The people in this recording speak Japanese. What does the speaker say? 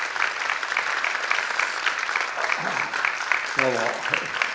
どうも。